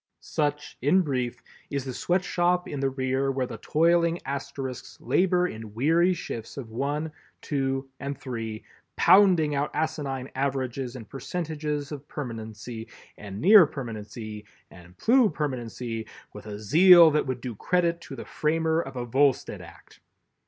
Such, in brief, is the Sweatshop in the rear where the toiling Asterisks labor in weary shifts of one, two and three, pounding out asinine averages and percentages of permanency and near permanency and plu permanency with a zeal that would do credit to the framer of a Volstead Act.